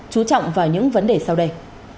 chú trọng vào những vấn đề sau đây